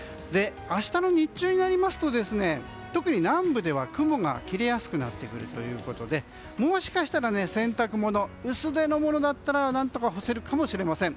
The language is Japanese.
明日の日中になりますと特に南部では雲が切れやすくなってくるということでもしかしたら洗濯物、薄手のものだったら何とか干せるかもしれません。